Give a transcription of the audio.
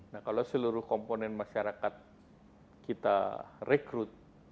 nah kalau seluruh komponen masyarakat kita rekrut